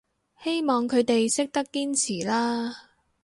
希望佢哋識得堅持啦